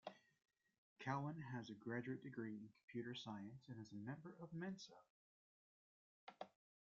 Cowan has a graduate degree in computer science and is a member of Mensa.